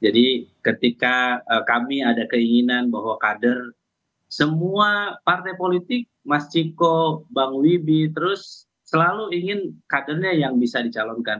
jadi ketika kami ada keinginan bahwa kader semua partai politik mas ciko bang wibi terus selalu ingin kadernya yang bisa dicalonkan